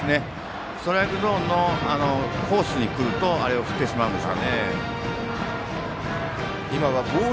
ストライクゾーンのコースに来るとあれを振ってしまうんです。